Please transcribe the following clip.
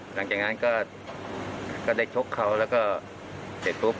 หลังจากนั้นก็ได้ชกเขาแล้วก็เสร็จปุ๊บ